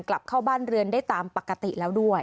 กลับเข้าบ้านเรือนได้ตามปกติแล้วด้วย